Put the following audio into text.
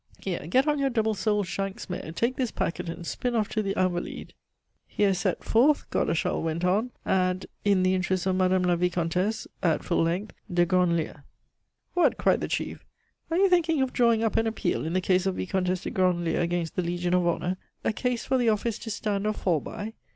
"Here, get on your double soled shanks mare, take this packet, and spin off to the Invalides." "Here set forth," Godeschal went on. "Add in the interest of Madame la Vicomtesse (at full length) de Grandlieu." "What!" cried the chief, "are you thinking of drawing up an appeal in the case of Vicomtesse de Grandlieu against the Legion of Honor a case for the office to stand or fall by?